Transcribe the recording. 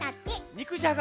肉じゃが？